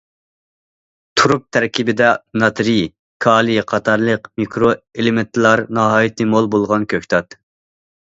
تۇرۇپ تەركىبىدە ناترىي، كالىي قاتارلىق مىكرو ئېلېمېنتلار ناھايىتى مول بولغان كۆكتات.